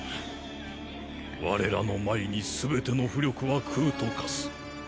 我らの前にすべての巫力は空と化す。